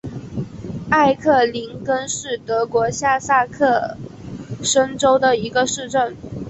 艾克林根是德国下萨克森州的一个市镇。